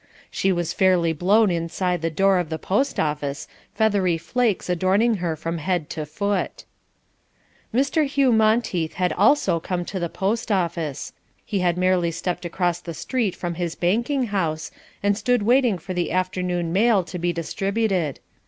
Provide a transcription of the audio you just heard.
She was fairly blown inside the door of the post office, feathery flakes adorning her from head to foot. Mr. Hugh Monteith had also come to the post office. He had merely stepped across the street from his banking house, and stood waiting for the afternoon mail to be distributed.